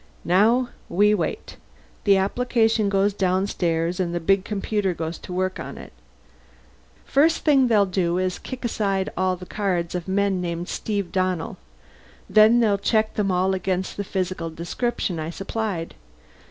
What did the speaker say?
"Now we wait. The application goes downstairs and the big computer goes to work on it. First thing they'll do is kick aside all the cards of men named Steve Donnell. Then they'll check them all against the physical description I supplied.